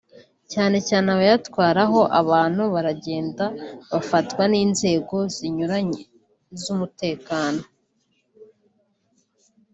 cyane cyane abayatwaraho abantu baragenda bafatwa n’inzego zinyuranye z’umutekano